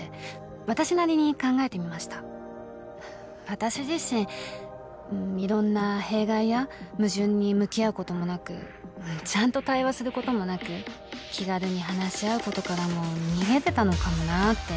私自身いろんな弊害や矛盾に向き合うこともなくちゃんと対話することもなく気軽に話し合うことからも逃げてたのかもなって。